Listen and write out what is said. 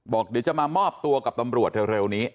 บอกเดี๋ยวจะมามอบตัวกับตำรวจเร็วนี้